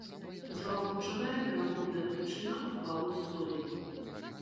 Ужо агучаная верагодная прычына абвалу столі.